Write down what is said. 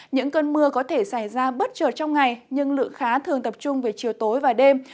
những cơn mưa có thể xảy ra bất chợt trong ngày nhưng lượng khá thường tập trung về chiều tối và đêm